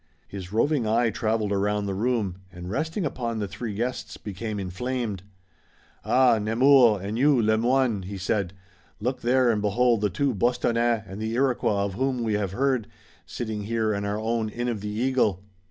His roving eye traveled around the room, and, resting upon the three guests, became inflamed. "Ah, Nemours, and you, Le Moyne," he said, "look there and behold the two Bostonnais and the Iroquois of whom we have heard, sitting here in our own Inn of the Eagle!"